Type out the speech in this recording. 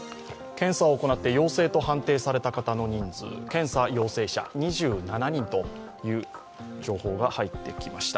検査を行って陽性と判定された方の人数、検査陽性者、２７人という情報が入ってきました。